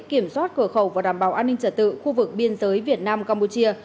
kiểm soát cửa khẩu và đảm bảo an ninh trả tự khu vực biên giới việt nam campuchia